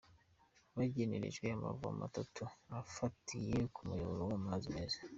Banegerejwe amavomo atatu afatiye k’umuyoboro w’amazi meza.